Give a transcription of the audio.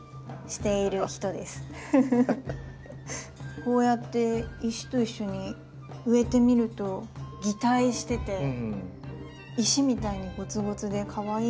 こうやって石と一緒に植えてみると擬態してて石みたいにゴツゴツでかわいいです。